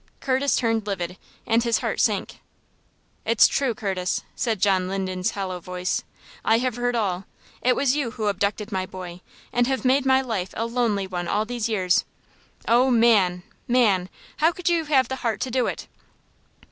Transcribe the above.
Curtis turned livid, and his heart sank. "It's true, Curtis," said John Linden's hollow voice. "I have heard all. It was you who abducted my boy, and have made my life a lonely one all these years. Oh, man! man! how could you have the heart to do it?"